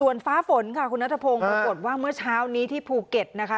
ส่วนฟ้าฝนค่ะคุณนัทพงศ์ปรากฏว่าเมื่อเช้านี้ที่ภูเก็ตนะคะ